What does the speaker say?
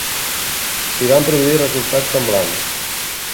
S'hi van produir resultats semblants.